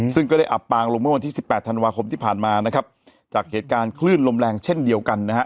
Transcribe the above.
ซึ่งก็ได้อับปางลงเมื่อวันที่สิบแปดธันวาคมที่ผ่านมานะครับจากเหตุการณ์คลื่นลมแรงเช่นเดียวกันนะฮะ